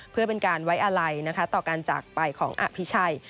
เพื่อเป็นการไว้อะไรนะคะต่อการจากไปของอภิชัย